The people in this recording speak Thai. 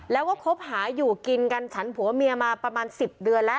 แล้วก็คบหาอยู่กินกันฉันผัวเมียมาประมาณ๑๐เดือนแล้ว